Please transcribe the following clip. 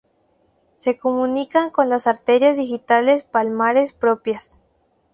Se comunican con las arterias digitales palmares propias.